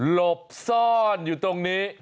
ลบซ่อนอยู่ตรงนี้